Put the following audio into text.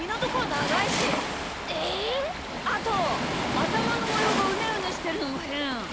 あとあたまのもようがうねうねしてるのもへん！